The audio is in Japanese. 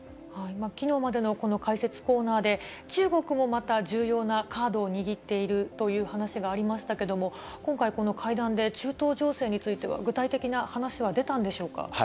きのうまでのこの解説コーナーで、中国もまた重要なカードを握っているという話がありましたけども、今回、この会談で中東情勢については、具体的な話は出たんでしょうか。